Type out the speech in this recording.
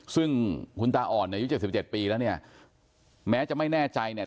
ซึ่งคุณตาอ่อนเนี่ยอายุ๗๗ปีแล้วเนี่ยแม้จะไม่แน่ใจเนี่ย